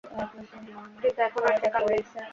কিন্তু এখন আর সে কাল নেই।